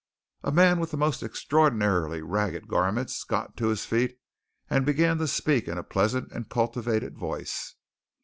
A man with the most extraordinarily ragged garments got to his feet and began to speak in a pleasant and cultivated voice.